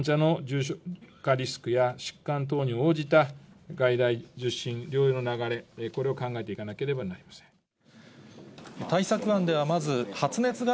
流行下において、患者の重症化リスクや疾患等に応じた外来受診、療養の流れ、これを考えていかなければなりません。